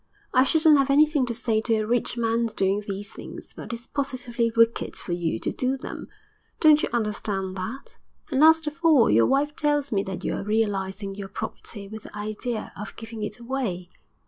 I shouldn't have anything to say to a rich man's doing these things, but it's positively wicked for you to do them. Don't you understand that? And last of all, your wife tells me that you're realising your property with the idea of giving it away.'